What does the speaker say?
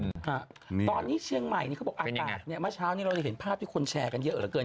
ตอนนี้เชียงใหม่เขาบอกว่าอากาศมาเช้านี้เราเห็นภาพที่คนแชร์กันเยอะเหลือเกิน